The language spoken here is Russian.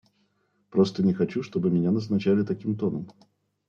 Просто не хочу, чтобы меня назначали таким тоном.